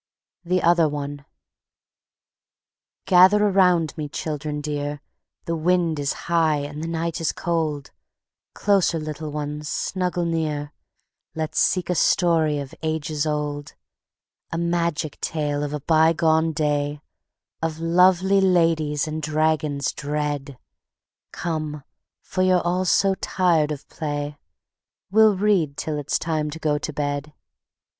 The Other One "Gather around me, children dear; The wind is high and the night is cold; Closer, little ones, snuggle near; Let's seek a story of ages old; A magic tale of a bygone day, Of lovely ladies and dragons dread; Come, for you're all so tired of play, We'll read till it's time to go to bed."